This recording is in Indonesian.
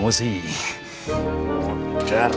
nah terus gimana gue keluar